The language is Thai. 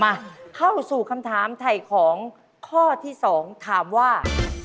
มาเข้าสู่คำถามถ่ายของข้อที่๒ถามว่า